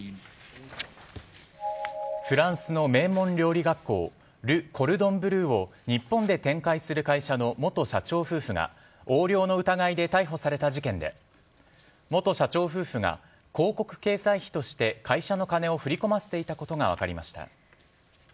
フランスの名門料理学校ル・コルドン・ブルーを日本で展開する会社の元社長夫婦が横領の疑いで逮捕された事件で元社長夫婦が広告掲載費として会社の金を振り込ませていたことが分かりました。